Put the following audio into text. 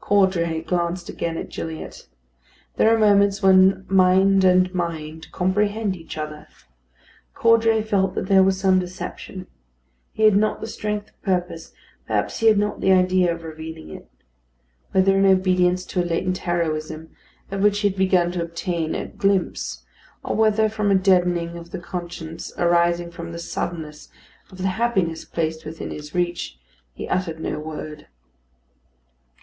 Caudray glanced again at Gilliatt. There are moments when mind and mind comprehend each other. Caudray felt that there was some deception; he had not the strength of purpose, perhaps he had not the idea of revealing it. Whether in obedience to a latent heroism, of which he had begun to obtain a glimpse; or whether from a deadening of the conscience, arising from the suddenness of the happiness placed within his reach, he uttered no word.